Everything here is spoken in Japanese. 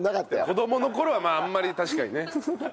子供の頃はまああんまり確かにね。